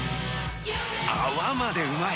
泡までうまい！